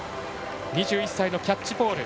２１歳のキャッチポール。